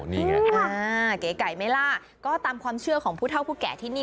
นี่ไงอ่าเก๋ไก่ไหมล่ะก็ตามความเชื่อของผู้เท่าผู้แก่ที่นี่